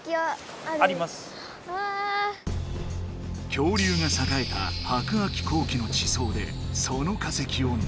恐竜がさかえた白亜紀後期の地層でその化石をねらう。